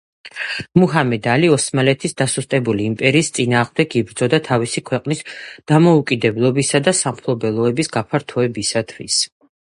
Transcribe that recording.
მუჰამად ალი ოსმალეთის დასუსტებული იმპერიის წინააღმდეგ იბრძოდა თავისი ქვეყნის დამოუკიდებლობისა და სამფლობელოების გაფართოებისათვის.